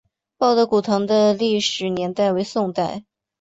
报德古堂的历史年代为宋代。